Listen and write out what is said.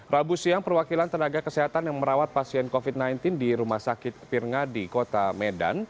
rabu siang perwakilan tenaga kesehatan yang merawat pasien covid sembilan belas di rumah sakit pirnga di kota medan